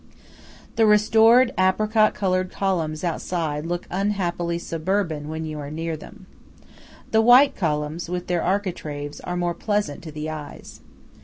The restored apricot colored columns outside look unhappily suburban when you are near them. The white columns with their architraves are more pleasant to the eyes.